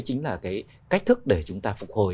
chính là cái cách thức để chúng ta phục hồi